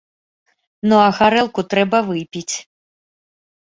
Ну, а гарэлку трэба выпіць.